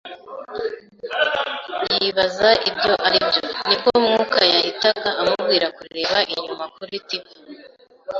yibaza ibyo aribyo, nibwo Mwuka yahitaga amubwira kureba inyuma kuri TV